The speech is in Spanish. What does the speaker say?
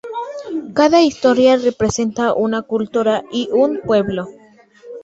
Cada historia representa una cultura y un pueblo.